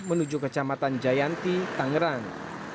menuju kecamatan jayanti tangerang